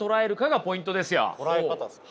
捉え方ですか？